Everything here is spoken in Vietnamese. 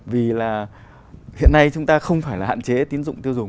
vì là hiện nay chúng ta không phải là hạn chế tín dụng tiêu dùng